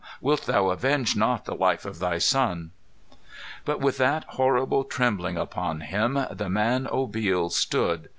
Wilt thou avenge not the life of thy son?" But with that horrible trembling upon him the man Obil stood.